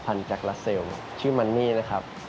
พันธุ์จากรัสเซลชื่อมันนี่นะครับ